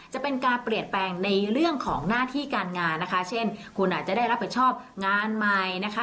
จะเป็นการเปลี่ยนแปลงในเรื่องของหน้าที่การงานนะคะเช่นคุณอาจจะได้รับผิดชอบงานใหม่นะคะ